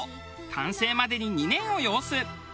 完成までに２年を要す。